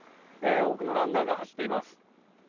多くのランナーが走っています。